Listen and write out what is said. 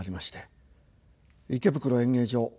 池袋演芸場。